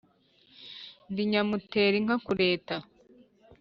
ndi nyamutera inka kureta.